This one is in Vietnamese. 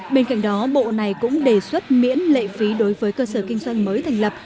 bên cạnh đó bộ này cũng đề xuất miễn lệ phí đối với cơ sở kinh doanh mới thành lập